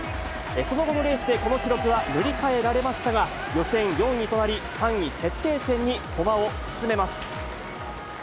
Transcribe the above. その後のレースでこの記録は塗り替えられましたが、予選４位となり、３位決定戦に駒を進めます。